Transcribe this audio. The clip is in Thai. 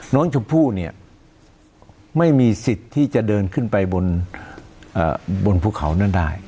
น้องชมพู่เนี่ยไม่มีสิทธิ์ที่จะเดินขึ้นไปบนภูเขานั่นได้